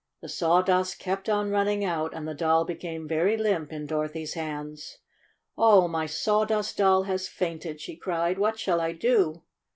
The sawdust kept on running out, and the doll became very limp in Dorothy's hands. "Oh, my Sawdust Doll has fainted!" she cried. "What shall I do?"